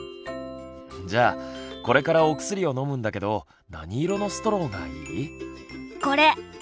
じゃあこれからお薬を飲むんだけど何色のストローがいい？これ。